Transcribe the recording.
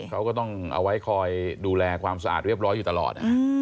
เขาก็ต้องเอาไว้คอยดูแลความสะอาดเรียบร้อยอยู่ตลอด